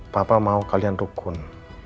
papa mau kalian rukun